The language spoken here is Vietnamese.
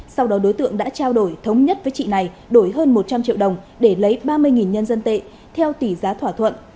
sau đó đối tượng đã trao đổi thống nhất với chị này đổi hơn một trăm linh triệu đồng để lấy ba mươi nhân dân tệ theo tỷ giá thỏa thuận